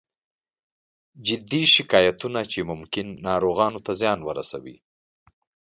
جدي شکایتونه چې ممکن ناروغانو ته زیان ورسوي